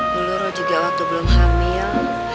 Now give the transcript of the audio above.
lalu lo juga waktu belum hamil